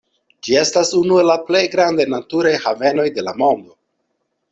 Ĝi estas unu el la plej grandaj naturaj havenoj de la mondo.